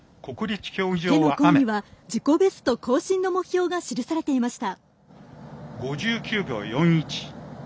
手の甲には自己ベスト更新の目標が記されていました。